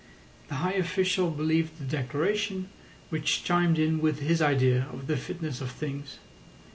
The high official believed the declaration, which chimed in with his idea of the fitness of things.